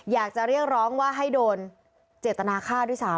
อยากจะเรียกร้องว่าให้โดนเจตนาฆ่าด้วยซ้ำ